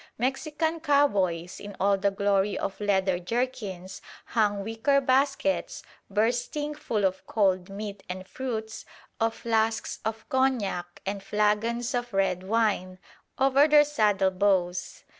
Mexican cowboys, in all the glory of leather jerkins, hung wicker baskets, bursting full of cold meat and fruits, of flasks of cognac and flagons of red wine, over their saddlebows.